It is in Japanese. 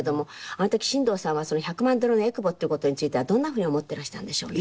あの時新藤さんは「百万ドルのえくぼ」っていう事についてはどんな風に思ってらしたんでしょうね。